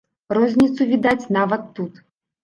Розніцу відаць нават тут.